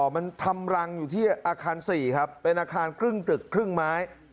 มันทำรังอยู่ที่อาคาร๔ครับเป็นอาคารครึ่งตึกครึ่งไม้